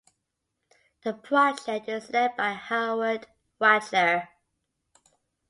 The project is led by Howard Wactlar.